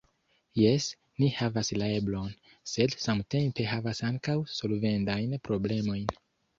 Jes, ni havas la eblon, sed samtempe havas ankaŭ solvendajn problemojn.